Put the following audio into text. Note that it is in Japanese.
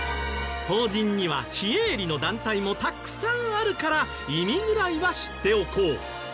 法人には非営利の団体もたくさんあるから意味ぐらいは知っておこう。